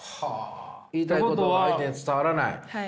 言いたいことが相手に伝わらない？